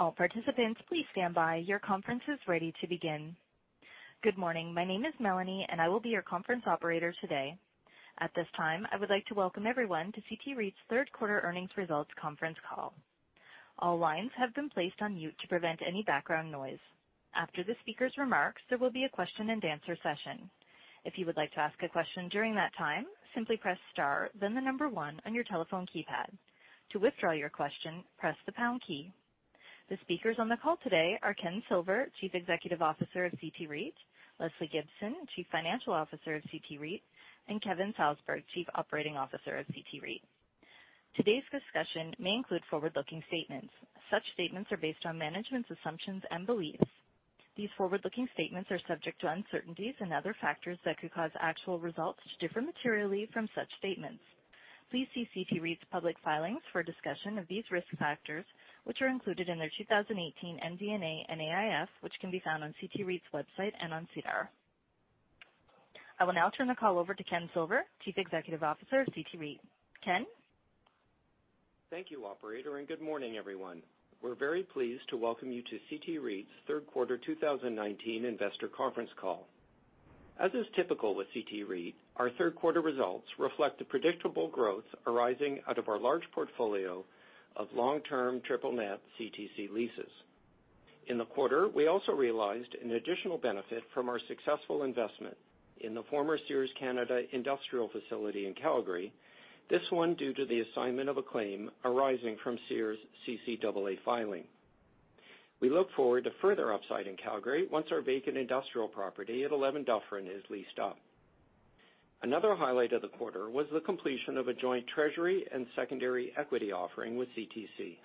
All participants, please stand by. Your conference is ready to begin. Good morning. My name is Melanie, I will be your conference operator today. At this time, I would like to welcome everyone to CT REIT's third quarter earnings results conference call. All lines have been placed on mute to prevent any background noise. After the speaker's remarks, there will be a question and answer session. If you would like to ask a question during that time, simply press star then the number one on your telephone keypad. To withdraw your question, press the pound key. The speakers on the call today are Ken Silver, Chief Executive Officer of CT REIT; Lesley Gibson, Chief Financial Officer of CT REIT; and Kevin Salsberg, Chief Operating Officer of CT REIT. Today's discussion may include forward-looking statements. Such statements are based on management's assumptions and beliefs. These forward-looking statements are subject to uncertainties and other factors that could cause actual results to differ materially from such statements. Please see CT REIT's public filings for a discussion of these risk factors, which are included in their 2018 MD&A and AIF, which can be found on CT REIT's website and on SEDAR. I will now turn the call over to Ken Silver, Chief Executive Officer of CT REIT. Ken Thank you, operator, and good morning, everyone. We're very pleased to welcome you to CT REIT's third quarter 2019 investor conference call. As is typical with CT REIT, our third quarter results reflect the predictable growth arising out of our large portfolio of long-term triple net CTC leases. In the quarter, we also realized an additional benefit from our successful investment in the former Sears Canada industrial facility in Calgary. This one, due to the assignment of a claim arising from Sears' CCAA filing. We look forward to further upside in Calgary once our vacant industrial property at 11 Dufferin is leased up. Another highlight of the quarter was the completion of a joint treasury and secondary equity offering with CTC.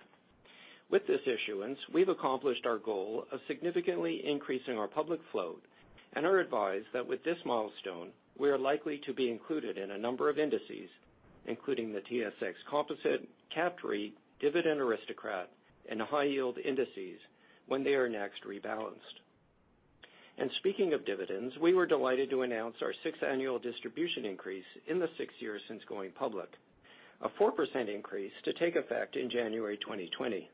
With this issuance, we've accomplished our goal of significantly increasing our public flow and are advised that with this milestone, we are likely to be included in a number of indices, including the TSX Composite, Capped REIT, Dividend Aristocrat, and the high-yield indices when they are next rebalanced. Speaking of dividends, we were delighted to announce our sixth annual distribution increase in the six years since going public. A 4% increase to take effect in January 2020.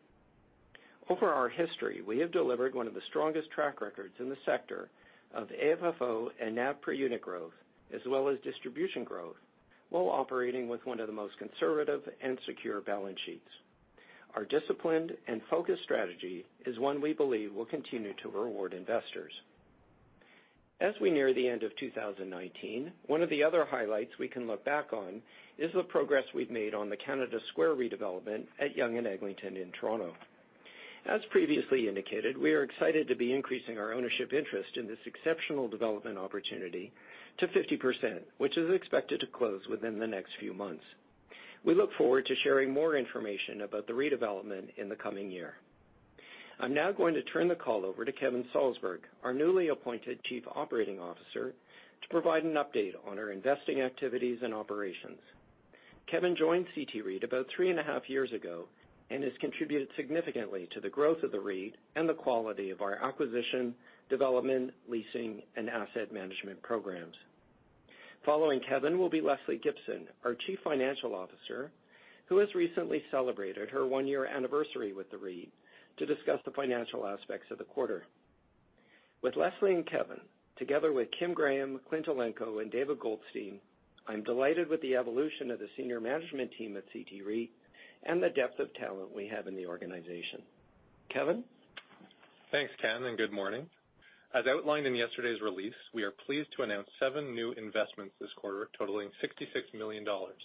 Over our history, we have delivered one of the strongest track records in the sector of AFFO and NAV per unit growth, as well as distribution growth while operating with one of the most conservative and secure balance sheets. Our disciplined and focused strategy is one we believe will continue to reward investors. As we near the end of 2019, one of the other highlights we can look back on is the progress we've made on the Canada Square redevelopment at Yonge and Eglinton in Toronto. As previously indicated, we are excited to be increasing our ownership interest in this exceptional development opportunity to 50%, which is expected to close within the next few months. We look forward to sharing more information about the redevelopment in the coming year. I'm now going to turn the call over to Kevin Salsberg, our newly appointed Chief Operating Officer, to provide an update on our investing activities and operations. Kevin joined CT REIT about three and a half years ago and has contributed significantly to the growth of the REIT and the quality of our acquisition, development, leasing, and asset management programs. Following Kevin will be Lesley Gibson, our Chief Financial Officer, who has recently celebrated her one-year anniversary with the REIT, to discuss the financial aspects of the quarter. With Lesley and Kevin, together with Kim Graham, Clint Elenko, and David Goldstein, I'm delighted with the evolution of the senior management team at CT REIT and the depth of talent we have in the organization. Kevin? Thanks, Ken, and good morning. As outlined in yesterday's release, we are pleased to announce seven new investments this quarter, totaling 66 million dollars.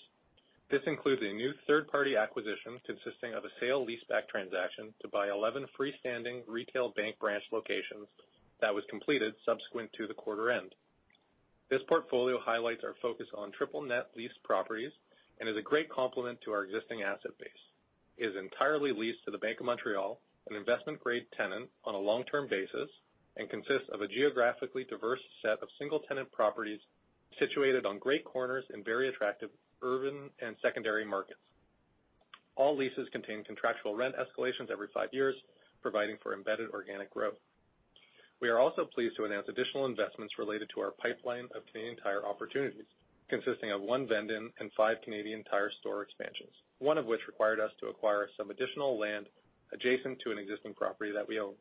This includes a new third-party acquisition consisting of a sale leaseback transaction to buy 11 freestanding retail bank branch locations that was completed subsequent to the quarter end. This portfolio highlights our focus on triple net leased properties and is a great complement to our existing asset base. It is entirely leased to the Bank of Montreal, an investment-grade tenant, on a long-term basis, and consists of a geographically diverse set of single-tenant properties situated on great corners in very attractive urban and secondary markets. All leases contain contractual rent escalations every five years, providing for embedded organic growth. We are also pleased to announce additional investments related to our pipeline of Canadian Tire opportunities, consisting of one vend-in five Canadian Tire store expansions, one of which required us to acquire some additional land adjacent to an existing property that we own.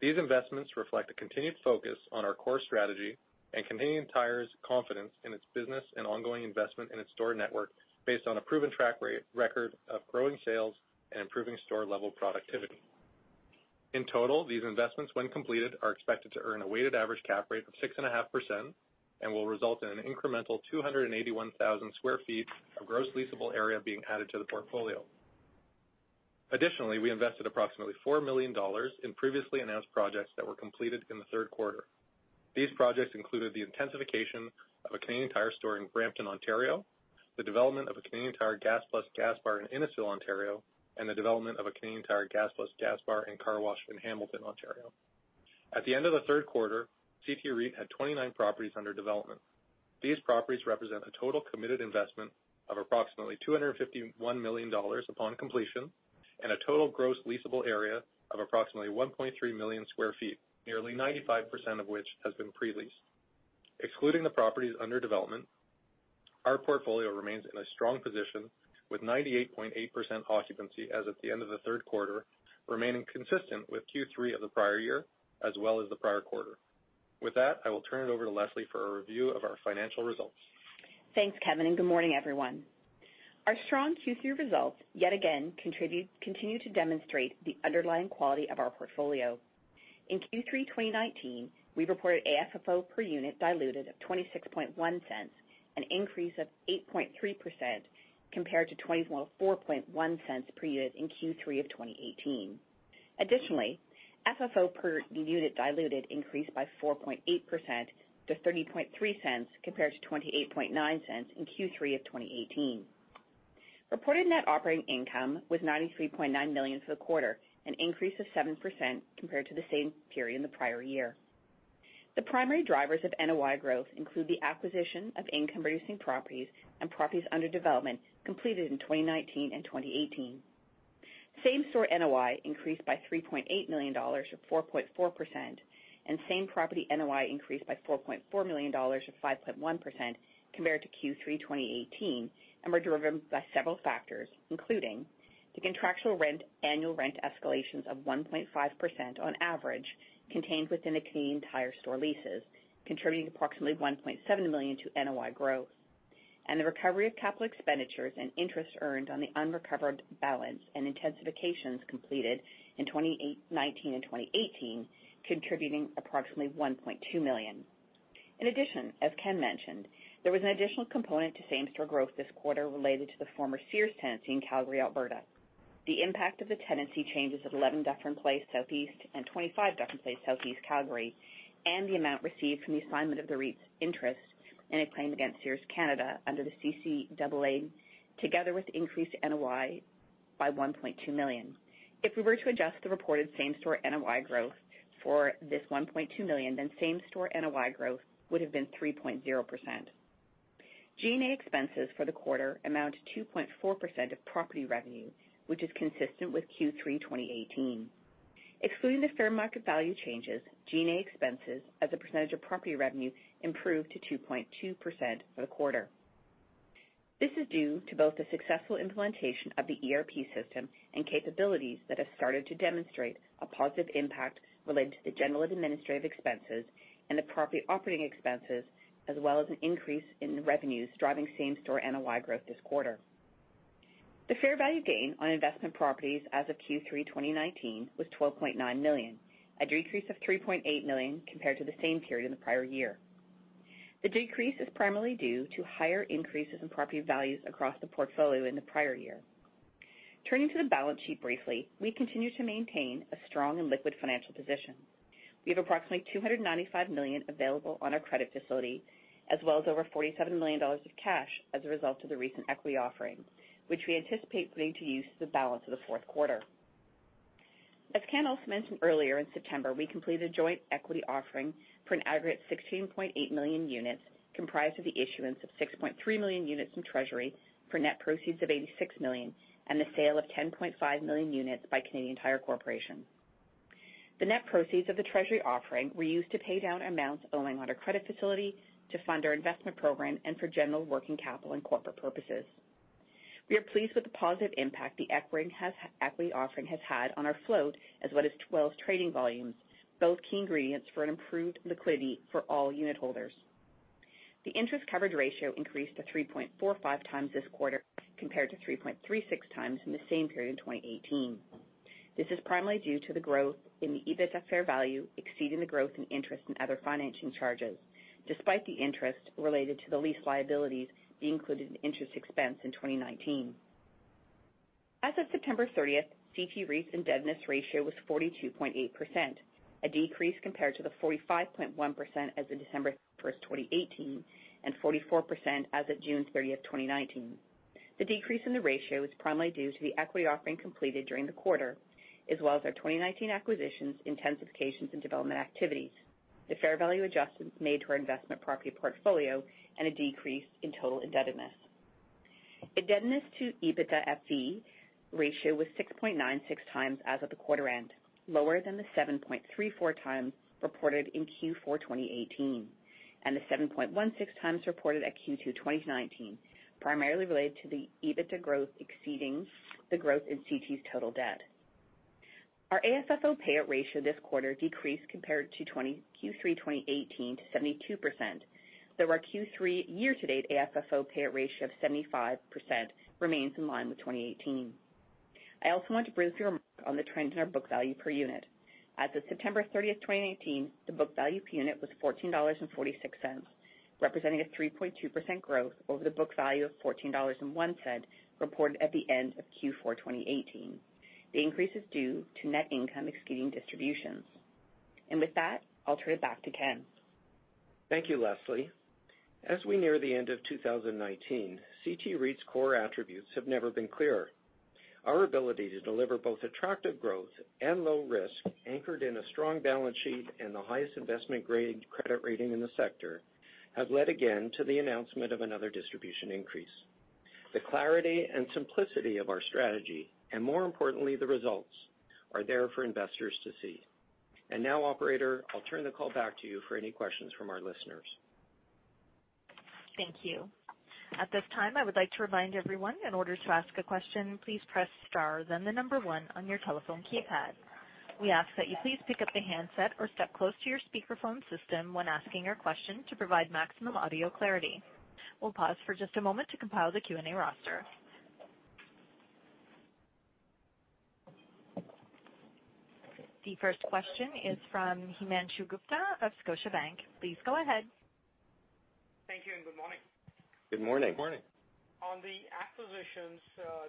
These investments reflect a continued focus on our core strategy and Canadian Tire's confidence in its business and ongoing investment in its store network based on a proven track record of growing sales and improving store-level productivity. In total, these investments, when completed, are expected to earn a weighted average cap rate of 6.5% and will result in an incremental 281,000 sq ft of gross leasable area being added to the portfolio. Additionally, we invested approximately 4 million dollars in previously announced projects that were completed in the third quarter. These projects included the intensification of a Canadian Tire store in Brampton, Ontario, the development of a Canadian Tire Gas+ gas bar in Innisfil, Ontario, and the development of a Canadian Tire Gas+ gas bar and car wash in Hamilton, Ontario. At the end of the third quarter, CT REIT had 29 properties under development. These properties represent a total committed investment of approximately 251 million dollars upon completion and a total gross leasable area of approximately 1.3 million sq ft, nearly 95% of which has been pre-leased. Excluding the properties under development, our portfolio remains in a strong position with 98.8% occupancy as of the end of the third quarter, remaining consistent with Q3 of the prior year as well as the prior quarter. With that, I will turn it over to Lesley for a review of our financial results. Thanks, Kevin. Good morning, everyone. Our strong Q3 results yet again continue to demonstrate the underlying quality of our portfolio. In Q3 2019, we reported AFFO per unit diluted of 0.261, an increase of 8.3% compared to 0.241 per unit in Q3 of 2018. Additionally, FFO per unit diluted increased by 4.8% to 0.303, compared to 0.289 in Q3 of 2018. Reported NOI was 93.9 million for the quarter, an increase of 7% compared to the same period in the prior year. The primary drivers of NOI growth include the acquisition of income-producing properties and properties under development completed in 2019 and 2018. Same-store NOI increased by 3.8 million dollars, or 4.4%, and same-property NOI increased by 4.4 million dollars or 5.1% compared to Q3 2018, and were driven by several factors, including: the contractual annual rent escalations of 1.5% on average contained within the Canadian Tire store leases, contributing approximately 1.7 million to NOI growth. The recovery of capital expenditures and interest earned on the unrecovered balance and intensifications completed in 2019 and 2018, contributing approximately 1.2 million. In addition, as Ken mentioned, there was an additional component to same-store growth this quarter related to the former Sears tenancy in Calgary, Alberta. The impact of the tenancy changes at 11 Dufferin Place Southeast and 25 Dufferin Place Southeast, Calgary, and the amount received from the assignment of the REIT's interest in a claim against Sears Canada under the CCAA, together with increased NOI by 1.2 million. If we were to adjust the reported same-store NOI growth for this 1.2 million, same-store NOI growth would have been 3.0%. G&A expenses for the quarter amount to 2.4% of property revenue, which is consistent with Q3 2018. Excluding the fair market value changes, G&A expenses as a percentage of property revenue improved to 2.2% for the quarter. This is due to both the successful implementation of the ERP system and capabilities that have started to demonstrate a positive impact related to the general and administrative expenses and the property operating expenses, as well as an increase in revenues driving same-store NOI growth this quarter. The fair value gain on investment properties as of Q3 2019 was 12.9 million, a decrease of 3.8 million compared to the same period in the prior year. The decrease is primarily due to higher increases in property values across the portfolio in the prior year. Turning to the balance sheet briefly, we continue to maintain a strong and liquid financial position. We have approximately 295 million available on our credit facility, as well as over 47 million dollars of cash as a result of the recent equity offering, which we anticipate putting to use the balance of the fourth quarter. As Ken also mentioned earlier, in September, we completed a joint equity offering for an aggregate 16.8 million units, comprised of the issuance of 6.3 million units in treasury for net proceeds of 86 million and the sale of 10.5 million units by Canadian Tire Corporation. The net proceeds of the treasury offering were used to pay down amounts owing on our credit facility to fund our investment program and for general working capital and corporate purposes. We are pleased with the positive impact the equity offering has had on our float, as well as trade volumes, both key ingredients for an improved liquidity for all unit holders. The interest coverage ratio increased to 3.45 times this quarter, compared to 3.36 times in the same period in 2018. This is primarily due to the growth in the EBITDA fair value exceeding the growth in interest and other financing charges, despite the interest related to the lease liabilities being included in interest expense in 2019. As of September 30th, CT REIT's indebtedness ratio was 42.8%, a decrease compared to the 45.1% as of December 1st, 2018, and 44% as of June 30th, 2019. The decrease in the ratio is primarily due to the equity offering completed during the quarter, as well as our 2019 acquisitions, intensifications, and development activities, the fair value adjustments made to our investment property portfolio, and a decrease in total indebtedness. Indebtedness to EBITDA FV ratio was 6.96 times as of the quarter end, lower than the 7.34 times reported in Q4 2018, and the 7.16 times reported at Q2 2019, primarily related to the EBITDA growth exceeding the growth in CT's total debt. Our AFFO payout ratio this quarter decreased compared to Q3 2018 to 72%. Though our Q3 year-to-date AFFO payout ratio of 75% remains in line with 2018. I also want to briefly remark on the trend in our book value per unit. As of September 30th, 2019, the book value per unit was CAD 14.46, representing a 3.2% growth over the book value of CAD 14.01 reported at the end of Q4 2018. The increase is due to net income exceeding distributions. With that, I'll turn it back to Ken. Thank you, Lesley. As we near the end of 2019, CT REIT's core attributes have never been clearer. Our ability to deliver both attractive growth and low risk, anchored in a strong balance sheet and the highest investment-grade credit rating in the sector, has led again to the announcement of another distribution increase. The clarity and simplicity of our strategy, and more importantly, the results, are there for investors to see. Now, operator, I'll turn the call back to you for any questions from our listeners. Thank you. At this time, I would like to remind everyone, in order to ask a question, please press star then the number 1 on your telephone keypad. We ask that you please pick up the handset or step close to your speakerphone system when asking your question to provide maximum audio clarity. We'll pause for just a moment to compile the Q&A roster. The first question is from Himanshu Gupta of Scotiabank. Please go ahead. Thank you and good morning. Good morning. Good morning. On the acquisitions,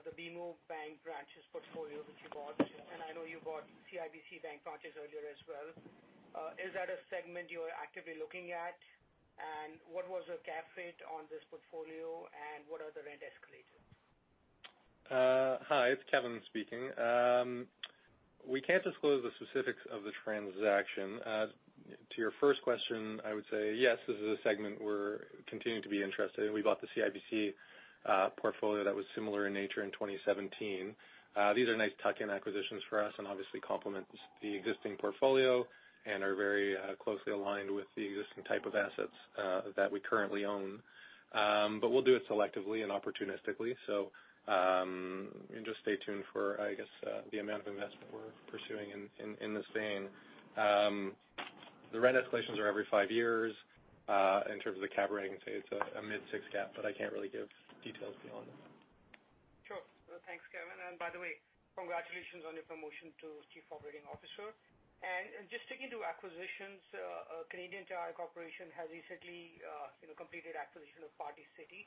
the BMO bank branches portfolio that you bought, and I know you bought CIBC bank branches earlier as well, is that a segment you are actively looking at? What was the cap rate on this portfolio, and what are the rent escalators? Hi, it's Kevin speaking. We can't disclose the specifics of the transaction. To your first question, I would say yes, this is a segment we're continuing to be interested in. We bought the CIBC portfolio that was similar in nature in 2017. These are nice tuck-in acquisitions for us, and obviously complement the existing portfolio and are very closely aligned with the existing type of assets that we currently own. We'll do it selectively and opportunistically. Just stay tuned for, I guess, the amount of investment we're pursuing in this vein. The rent escalations are every five years. In terms of the cap rate, I can say it's a mid-six cap, but I can't really give details beyond that. Sure. Well, thanks, Kevin, and by the way, congratulations on your promotion to Chief Operating Officer. Just sticking to acquisitions, Canadian Tire Corporation has recently completed acquisition of Party City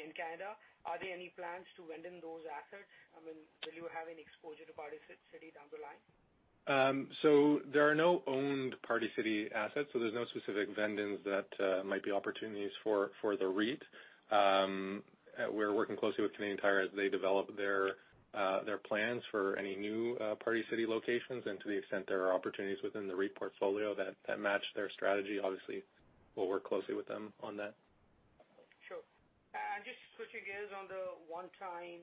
in Canada. Are there any plans to vend-in those assets? Will you have any exposure to Party City down the line? There are no owned Party City assets, so there's no specific vend-ins that might be opportunities for the REIT. We're working closely with Canadian Tire as they develop their plans for any new Party City locations. To the extent there are opportunities within the REIT portfolio that match their strategy, obviously we'll work closely with them on that. Sure. Just switching gears on the one time,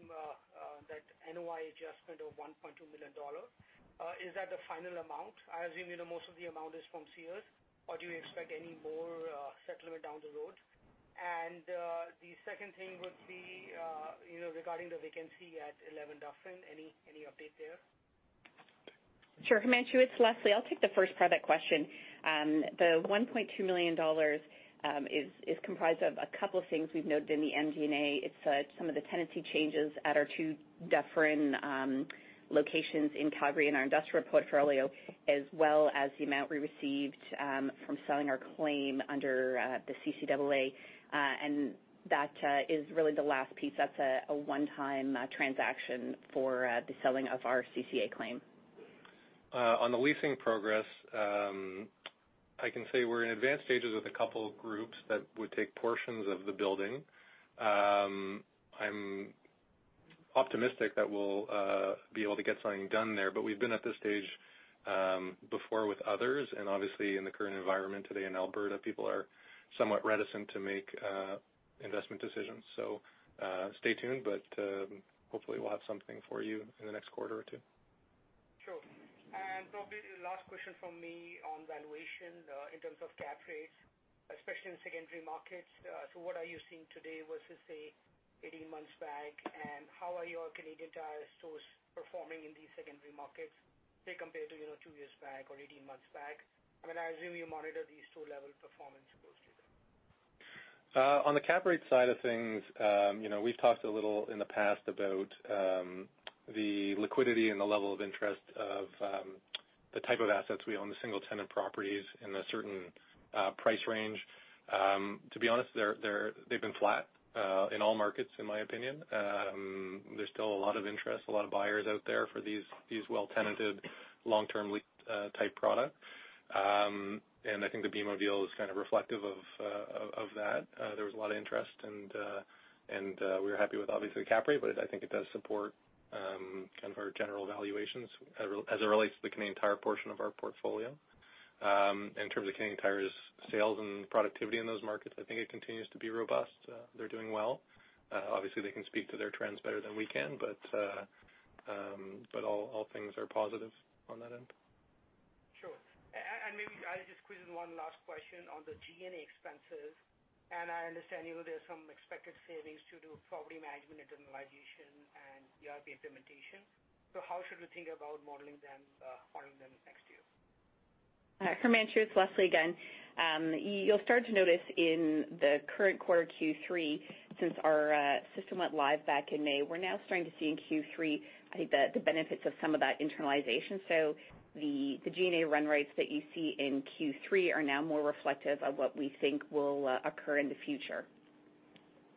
that NOI adjustment of 1.2 million dollars, is that the final amount? I assume most of the amount is from Sears, or do you expect any more settlement down the road? The second thing would be, regarding the vacancy at 11 Dufferin. Any update there? Sure, Himanshu, it's Lesley. I'll take the first part of that question. The 1.2 million dollars is comprised of a couple of things we've noted in the MD&A. It's some of the tenancy changes at our two Dufferin locations in Calgary in our industrial portfolio as well as the amount we received from selling our claim under the CCAA. That is really the last piece. That's a one-time transaction for the selling of our CCAA claim. On the leasing progress, I can say we're in advanced stages with a couple of groups that would take portions of the building. I'm optimistic that we'll be able to get something done there, but we've been at this stage before with others, and obviously in the current environment today in Alberta, people are somewhat reticent to make investment decisions. Stay tuned, but hopefully we'll have something for you in the next quarter or two. Sure. Probably the last question from me on valuation, in terms of cap rates, especially in secondary markets. What are you seeing today versus, say, 18 months back? How are your Canadian Tire stores performing in these secondary markets say compared to two years back or 18 months back? I assume you monitor these two levels of performance closely then. On the cap rate side of things, we've talked a little in the past about the liquidity and the level of interest of the type of assets we own, the single-tenant properties in a certain price range. To be honest, they've been flat in all markets, in my opinion. There's still a lot of interest, a lot of buyers out there for these well-tenanted, long-term leased type product. I think the BMO deal is kind of reflective of that. There was a lot of interest, and we were happy with obviously the cap rate, but I think it does support our general valuations as it relates to the Canadian Tire portion of our portfolio. In terms of Canadian Tire's sales and productivity in those markets, I think it continues to be robust. They're doing well. Obviously, they can speak to their trends better than we can, but all things are positive on that end. Sure. Maybe I'll just squeeze in one last question on the G&A expenses. I understand there's some expected savings to do property management internalization and ERP implementation. How should we think about modeling them, following them next year? Himanshu, it's Lesley again. You'll start to notice in the current quarter, Q3, since our system went live back in May, we're now starting to see in Q3, I think the benefits of some of that internalization. The G&A run rates that you see in Q3 are now more reflective of what we think will occur in the future.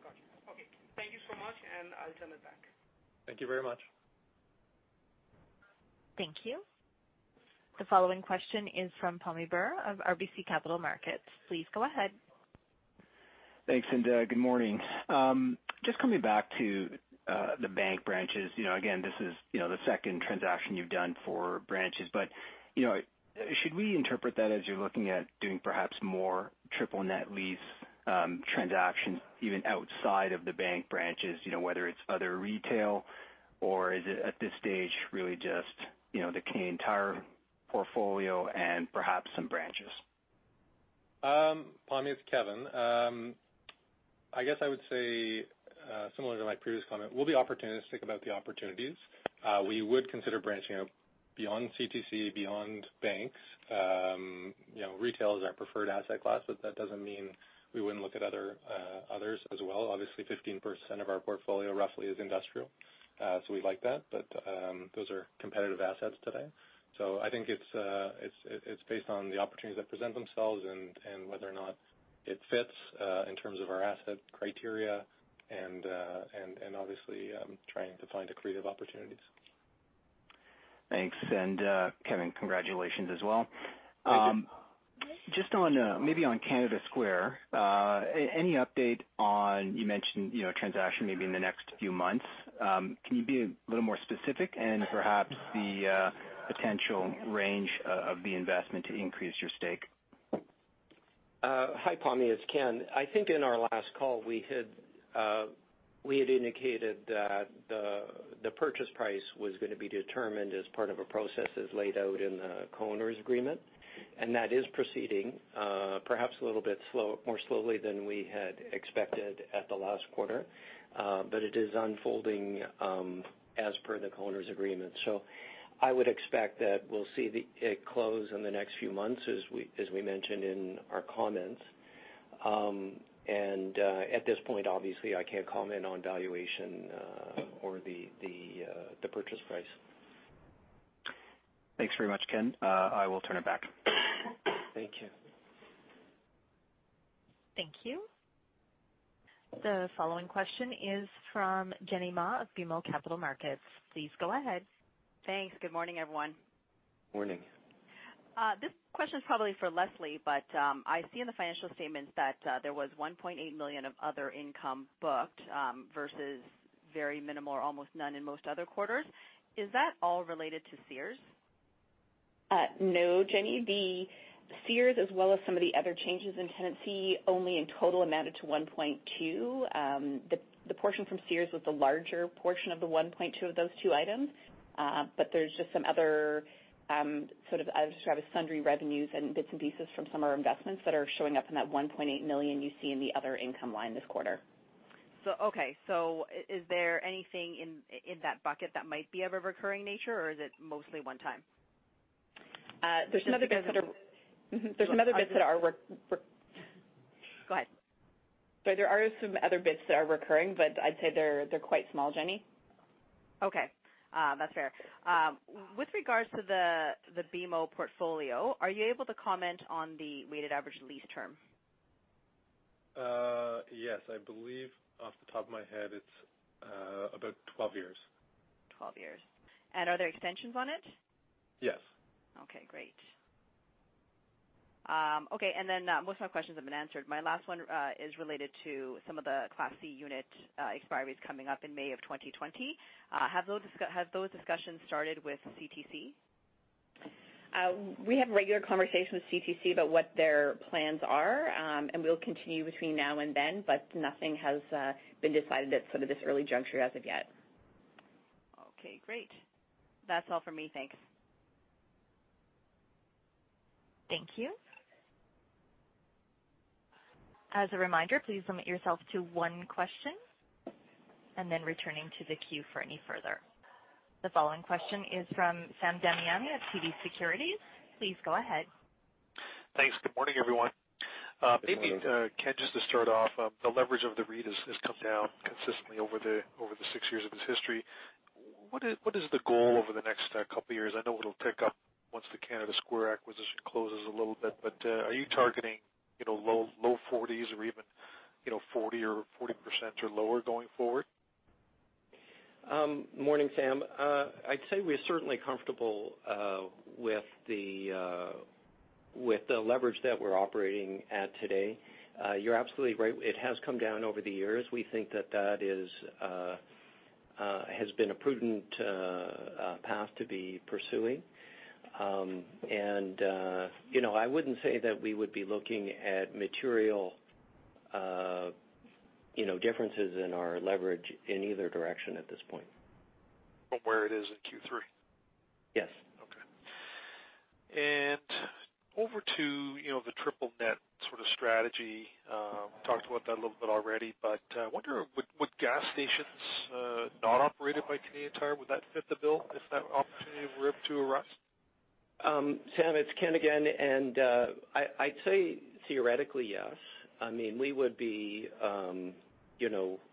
Got you. Okay. Thank you so much, and I'll turn it back. Thank you very much. Thank you. The following question is from Pammi Bir of RBC Capital Markets. Please go ahead. Thanks, good morning. Just coming back to the bank branches. Again, this is the second transaction you've done for branches, should we interpret that as you're looking at doing perhaps more triple net lease transactions, even outside of the bank branches, whether it's other retail? Is it at this stage really just the Canadian Tire portfolio and perhaps some branches? Pammi, it's Kevin. I guess I would say, similar to my previous comment, we'll be opportunistic about the opportunities. We would consider branching out beyond CTC, beyond banks. Retail is our preferred asset class, but that doesn't mean we wouldn't look at others as well. Obviously, 15% of our portfolio roughly is industrial. We like that, but those are competitive assets today. I think it's based on the opportunities that present themselves and whether or not it fits in terms of our asset criteria and obviously, trying to find accretive opportunities. Thanks. Kevin, congratulations as well. Thank you. Just maybe on Canada Square. Any update on, you mentioned a transaction maybe in the next few months? Can you be a little more specific and perhaps the potential range of the investment to increase your stake? Hi, Pammi, it's Ken. I think in our last call, we had indicated that the purchase price was going to be determined as part of a process as laid out in the co-owners agreement. That is proceeding. Perhaps a little bit more slowly than we had expected at the last quarter. It is unfolding as per the co-owners agreement. I would expect that we'll see it close in the next few months, as we mentioned in our comments. At this point, obviously, I can't comment on valuation or the purchase price. Thanks very much, Ken. I will turn it back. Thank you. Thank you. The following question is from Jenny Ma of BMO Capital Markets. Please go ahead. Thanks. Good morning, everyone. Morning. This question's probably for Lesley, but I see in the financial statements that there was 1.8 million of other income booked versus very minimal or almost none in most other quarters. Is that all related to Sears? No, Jenny. The Sears as well as some of the other changes in tenancy only in total amounted to 1.2. The portion from Sears was the larger portion of the 1.2 of those two items. There's just some other sort of, I would describe as sundry revenues and bits and pieces from some of our investments that are showing up in that 1.8 million you see in the other income line this quarter. Okay. Is there anything in that bucket that might be of a recurring nature, or is it mostly one time? There's some other bits that are. Go ahead. There are some other bits that are recurring, but I'd say they're quite small, Jenny. Okay. That's fair. With regards to the BMO portfolio, are you able to comment on the weighted average lease term? Yes. I believe off the top of my head, it's about 12 years. 12 years. Are there extensions on it? Yes. Okay, great. Okay. Most of my questions have been answered. My last one is related to some of the Class C unit expiries coming up in May of 2020. Have those discussions started with CTC? We have regular conversations with CTC about what their plans are. We'll continue between now and then, but nothing has been decided at this early juncture as of yet. Okay, great. That's all for me. Thanks. Thank you. As a reminder, please limit yourself to one question, then returning to the queue for any further. The following question is from Sam Damiani of TD Securities. Please go ahead. Thanks. Good morning, everyone. Morning. Maybe, Ken, just to start off, the leverage of the REIT has come down consistently over the six years of its history. What is the goal over the next couple of years? I know it'll tick up once the Canada Square acquisition closes a little bit, but are you targeting low 40s or even 40% or lower going forward? Morning, Sam. I'd say we're certainly comfortable with the leverage that we're operating at today. You're absolutely right. It has come down over the years. We think that that has been a prudent path to be pursuing. I wouldn't say that we would be looking at material differences in our leverage in either direction at this point. From where it is in Q3? Yes. Okay. Over to the triple net sort of strategy. We talked about that a little bit already, but I wonder would gas stations not operated by Canadian Tire, would that fit the bill if that opportunity were to arise? Sam, it's Ken again. I'd say theoretically, yes. We would be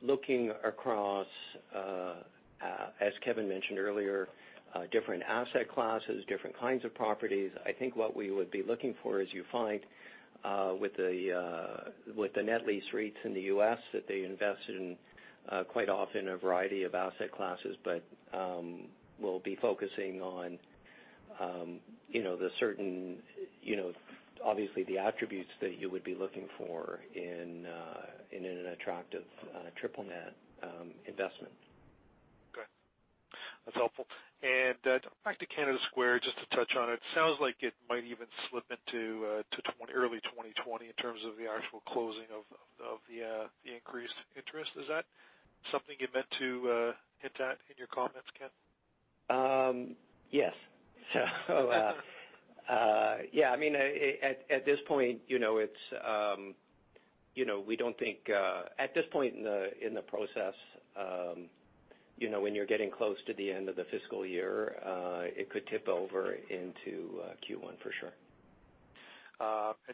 looking across, as Kevin mentioned earlier, different asset classes, different kinds of properties. I think what we would be looking for, as you find with the net lease REITs in the U.S., that they invest in quite often a variety of asset classes. We'll be focusing on obviously the attributes that you would be looking for in an attractive triple net investment. Okay. That's helpful. Back to Canada Square, just to touch on it. Sounds like it might even slip into early 2020 in terms of the actual closing of the increased interest. Is that something you meant to hit at in your comments, Ken? Yes. At this point in the process, when you're getting close to the end of the fiscal year, it could tip over into Q1 for sure.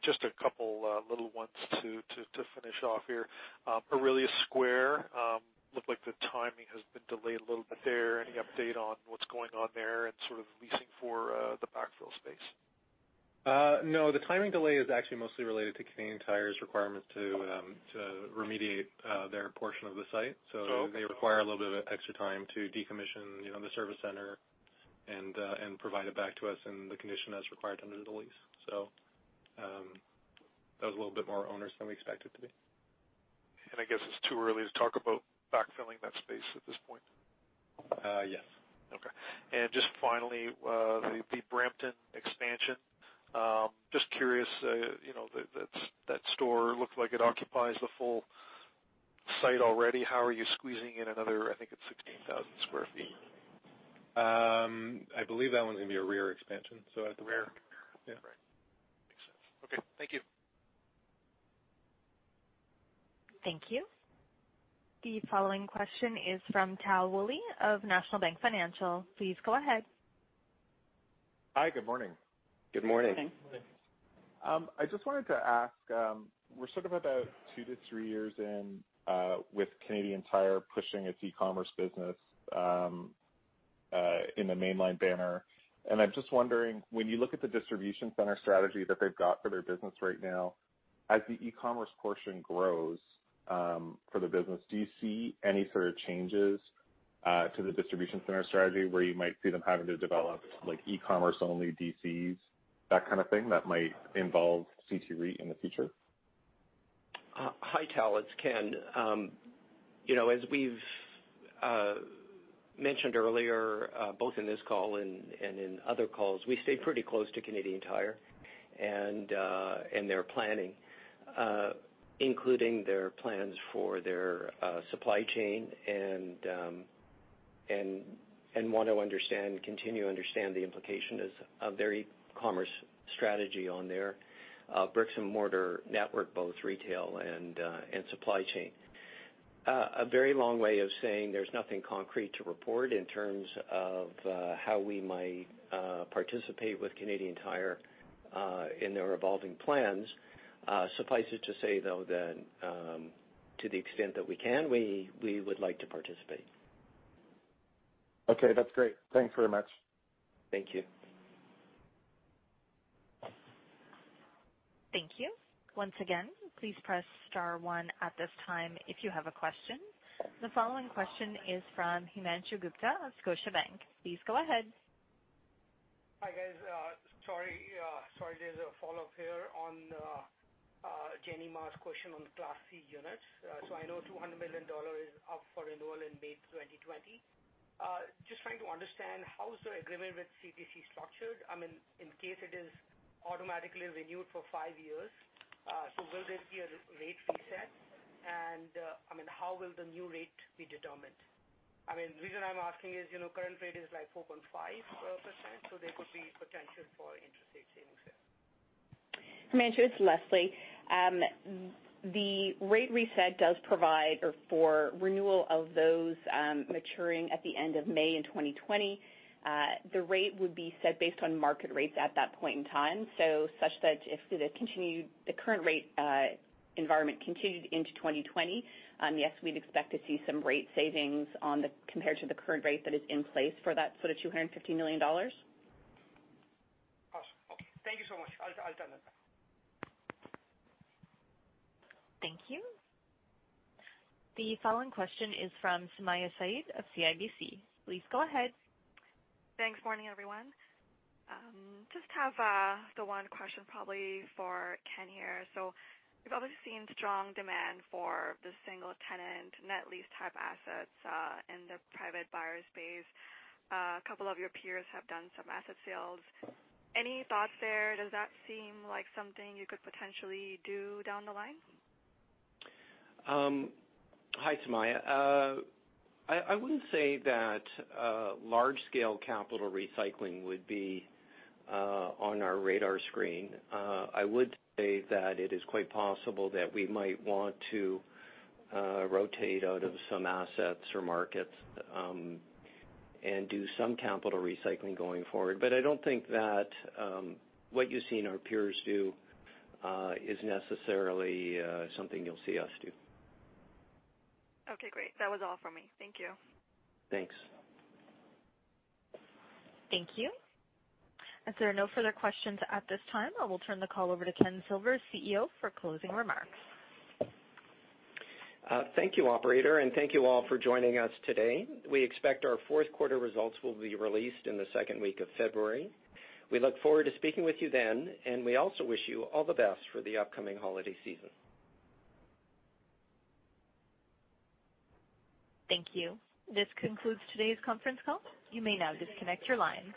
Just a couple little ones to finish off here. Orillia Square, looked like the timing has been delayed a little bit there. Any update on what's going on there and sort of leasing for the backfill space? No, the timing delay is actually mostly related to Canadian Tire's requirements to remediate their portion of the site. They require a little bit of extra time to decommission the service center and provide it back to us in the condition as required under the lease. That was a little bit more onerous than we expected it to be. I guess it's too early to talk about backfilling that space at this point? Yes. Okay. Just finally, the Brampton expansion. Just curious, that store looked like it occupies the full site already. How are you squeezing in another, I think it's 16,000 square feet? I believe that one's going to be a rear expansion. Rear. Yeah. Right. Makes sense. Okay. Thank you. Thank you. The following question is from Tal Woolley of National Bank Financial. Please go ahead. Hi. Good morning. Good morning. Good morning. I just wanted to ask, we're sort of about two to three years in with Canadian Tire pushing its e-commerce business in the mainline banner. I'm just wondering, when you look at the distribution center strategy that they've got for their business right now, as the e-commerce portion grows for the business, do you see any sort of changes to the distribution center strategy where you might see them having to develop e-commerce-only DCs, that kind of thing, that might involve CT REIT in the future? Hi, Tal. It's Ken. As we've mentioned earlier, both in this call and in other calls, we stay pretty close to Canadian Tire and their planning, including their plans for their supply chain, and want to continue to understand the implications of their e-commerce strategy on their bricks-and-mortar network, both retail and supply chain. A very long way of saying there's nothing concrete to report in terms of how we might participate with Canadian Tire in their evolving plans. Suffice it to say, though, that to the extent that we can, we would like to participate. Okay. That's great. Thanks very much. Thank you. Thank you. Once again, please press star one at this time if you have a question. The following question is from Himanshu Gupta of Scotiabank. Please go ahead. Hi, guys. Sorry. Just a follow-up here on Jenny Ma's question on the Class C units. I know 200 million dollars is up for renewal in May 2020. Just trying to understand, how is the agreement with CTC structured? In case it is automatically renewed for five years, so will there be a rate reset? How will the new rate be determined? The reason I'm asking is current rate is, like, 4.5%, so there could be potential for interest rate savings there. Himanshu, it's Lesley. The rate reset does provide for renewal of those maturing at the end of May in 2020. The rate would be set based on market rates at that point in time. Such that if the current rate environment continued into 2020, yes, we'd expect to see some rate savings compared to the current rate that is in place for the 250 million dollars. Awesome. Okay. Thank you so much. I'll turn that back. Thank you. The following question is from Sumayya Syed of CIBC. Please go ahead. Thanks. Morning, everyone. Just have the one question probably for Ken here. We've obviously seen strong demand for the single-tenant net lease type assets in the private buyer space. A couple of your peers have done some asset sales. Any thoughts there? Does that seem like something you could potentially do down the line? Hi, Sumayya. I wouldn't say that large-scale capital recycling would be on our radar screen. I would say that it is quite possible that we might want to rotate out of some assets or markets and do some capital recycling going forward. I don't think that what you see in our peers do is necessarily something you'll see us do. Okay, great. That was all for me. Thank you. Thanks. Thank you. As there are no further questions at this time, I will turn the call over to Ken Silver, CEO, for closing remarks. Thank you, operator, and thank you all for joining us today. We expect our fourth quarter results will be released in the second week of February. We look forward to speaking with you then. We also wish you all the best for the upcoming holiday season. Thank you. This concludes today's conference call. You may now disconnect your lines.